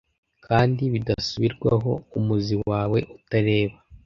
Kandi bidasubirwaho umuzi wawe utareba